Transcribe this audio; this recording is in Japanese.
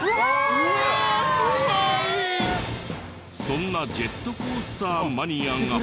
そんなジェットコースターマニアが。